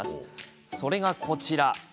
それが、こちら。